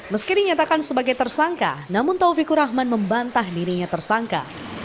meski dinyatakan sebagai tersangka namun taufikur rahman membantah dirinya tersangka